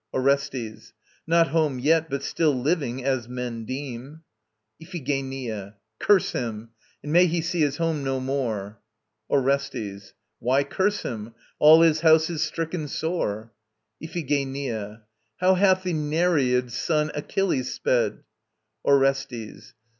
ORESTES. Not home yet, but still living, as men deem. IPHIGENIA. Curse him! And may he see his home no more. ORESTES. Why curse him? All his house is stricken sore. IPHIGENIA. How hath the Nereid's son, Achilles, sped? ORESTES.